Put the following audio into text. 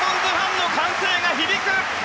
ドラゴンズファンの歓声が響く！